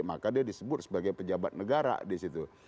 maka dia disebut sebagai pejabat negara di situ